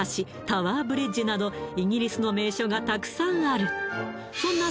タワーブリッジなどイギリスの名所がたくさんあるそんな